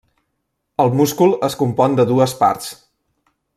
El múscul es compon de dues parts.